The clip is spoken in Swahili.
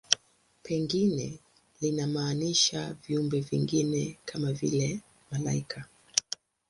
Pengine linamaanisha viumbe vingine, kama vile malaika.